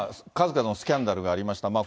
数々のスキャンダルがありました。